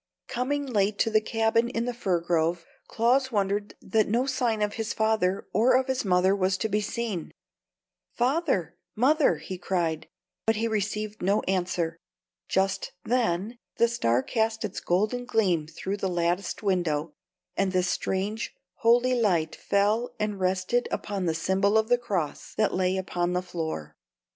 Coming late to the cabin in the fir grove, Claus wondered that no sign of his father or of his mother was to be seen. "Father mother!" he cried, but he received no answer. Just then the Star cast its golden gleam through the latticed window, and this strange, holy light fell and rested upon the symbol of the cross that lay upon the floor.